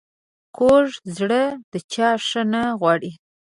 کوږ زړه د چا ښه نه غواړي